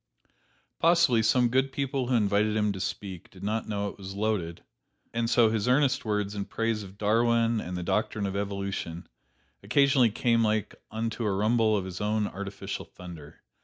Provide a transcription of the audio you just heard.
Possibly, some good people who invited him to speak did not know it was loaded; and so his earnest words in praise of Darwin and the doctrine of evolution, occasionally came like unto a rumble of his own artificial thunder.